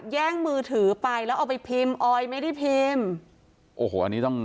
แย่งมือถือไปแล้วเอาไปพิมพ์ออยไม่ได้พิมพ์โอ้โหอันนี้ต้อง